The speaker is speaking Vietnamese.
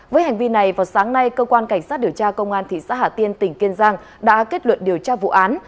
với hành vi này vào sáng nay cơ quan cảnh sát điều tra công an thị xã hà tiên tỉnh kiên giang đã kết luận điều tra vụ án